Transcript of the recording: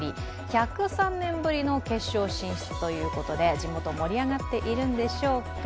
１０３年ぶりの決勝進出ということで地元盛り上がっているんでしょうか。